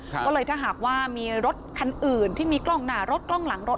ก็เลยถ้าหากว่ามีรถคันอื่นที่มีกล้องหน้ารถกล้องหลังรถ